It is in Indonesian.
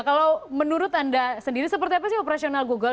kalau menurut anda sendiri seperti apa sih operasional google